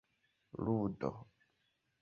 ludo